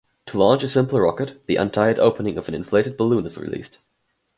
To launch a simple rocket, the untied opening of an inflated balloon is released.